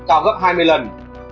cao gấp hai mươi lần